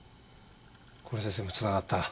これで全部繋がった。